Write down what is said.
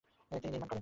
তিনি নির্মাণ করেন।